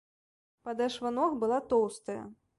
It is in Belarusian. Падэшва ног была тоўстая.